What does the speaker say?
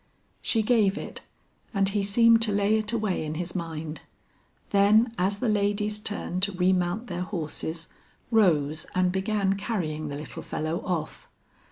She gave it and he seemed to lay it away in his mind; then as the ladies turned to remount their horses, rose and began carrying the little fellow off.